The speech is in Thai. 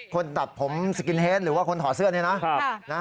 ตัดผมสกินเฮดหรือว่าคนถอดเสื้อนี่นะ